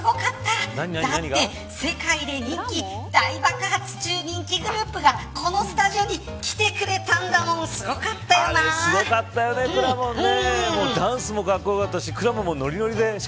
だって世界で人気大爆発中人気グループがこのスタジオに来てくれたんだもんあれ、すごかったよねくらもんね。